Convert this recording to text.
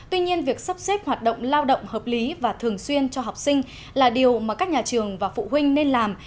tuy nhiên việc sắp xếp hoạt động lao động hợp lý và thường xuyên cho học sinh là điều mà các nhà trường và phụ huynh nên làm